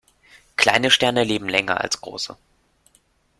Kleine Sterne leben länger als große.